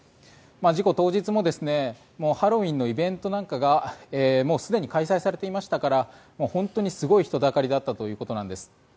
事故当日もハロウィーンのイベントなんかがすでに開催されていましたから本当にすごい人だかりだったということなんです。